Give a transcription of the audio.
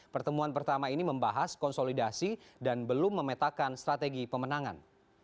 pertemuan pertama ini membahas konsolidasi dan belum memetakan strategi pemenangan